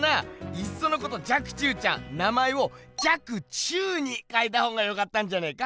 いっそのこと若冲ちゃん名前を「若虫」にかえたほうがよかったんじゃねえか？